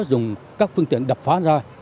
dùng các phương tiện đập phá ra